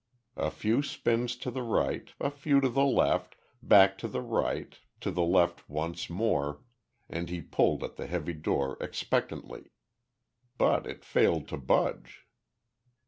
A few spins to the right, a few to the left, back to the right, to the left once more and he pulled at the heavy door expectantly. But it failed to budge.